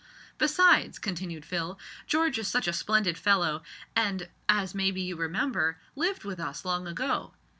"Besides," continued Phil, "George is such a splendid fellow, and, as maybe you remember, lived with us long ago.